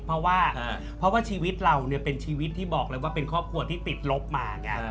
เพราะว่าเพราะว่าชีวิตเราเนี่ยเป็นชีวิตที่บอกเลยว่าเป็นครอบครัวที่ติดลบมาไง